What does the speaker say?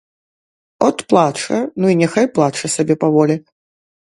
От плача, ну і няхай плача сабе паволі.